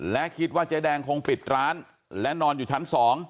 และคิดว่าเจ๊แดงคงปิดร้านและนอนอยู่ชั้น๒